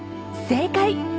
正解！